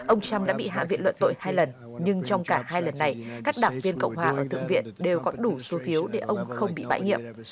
ông trump đã bị hạ viện luận tội hai lần nhưng trong cả hai lần này các đảng viên cộng hòa và thượng viện đều có đủ số phiếu để ông không bị bãi nhiệm